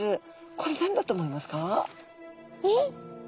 これ何だと思いますか？